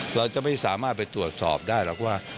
เราจะไม่สามารถไปตรวจสอบได้หรอกว่า